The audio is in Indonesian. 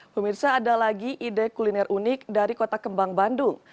pemirsa ada lagi ide kuliner unik dari kota kembang bandung